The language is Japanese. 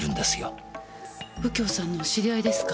右京さんのお知り合いですか？